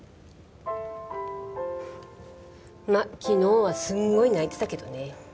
まあ昨日はすんごい泣いてたけどね。